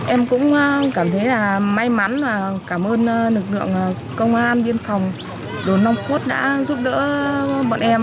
em cũng cảm thấy là may mắn và cảm ơn lực lượng công an biên phòng đồn long khuất đã giúp đỡ bọn em